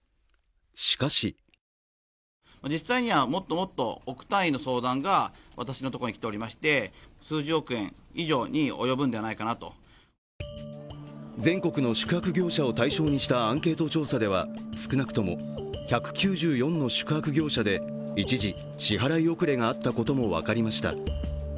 しかし全国の宿泊業者を対象にしたアンケート調査では少なくとも１９４の宿泊業者で一時、支払い遅れがあったことも分かりました。